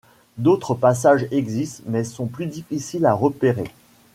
D'autres passages existent mais sont plus difficiles à repérer.